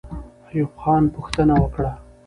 ایوب خان پوښتنه وکړه.